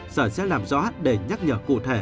sở sẽ làm rõ để nhắc nhở cụ thể